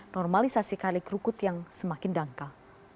normalisasi kali kerukut yang semakin dangkal